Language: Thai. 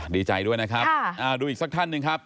ดีใจด้วยนะครับดูอีกสักท่านหนึ่งครับ